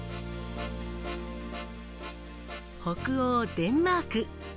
北欧デンマーク。